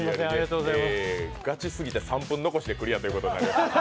ガチすぎて３分残しでクリアということになりました。